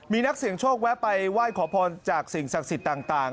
มีนักเสี่ยงโชคแวะไปไหว้ขอพรจากสิ่งศักดิ์สิทธิ์ต่าง